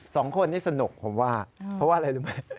สองคนนี้สนุกผมว่าเพราะว่าอะไรรู้ไหม